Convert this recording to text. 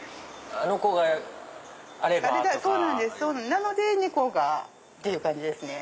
なので猫がっていう感じですね。